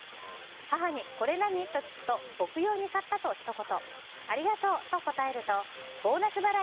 母に、これ何？と聞くと僕用に買ったとひと言。